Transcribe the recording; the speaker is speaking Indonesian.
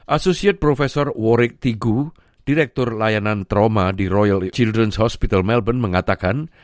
asosiat profesor warwick tigu direktur layanan trauma di royal children s hospital melbourne mengatakan